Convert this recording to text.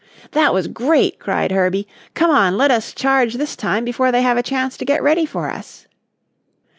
"That was great!" cried Herbie. "Come on, let us charge this time before they have a chance to get ready for us."